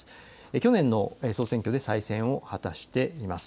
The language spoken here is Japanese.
去年の総選挙で再選を果たしています。